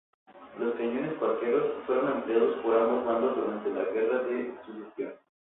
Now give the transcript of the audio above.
Los cañones cuáqueros fueron empleados por ambos bandos durante la Guerra de Secesión.